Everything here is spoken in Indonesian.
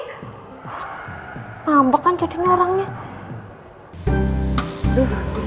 wuhh mampet kan jadi narangnya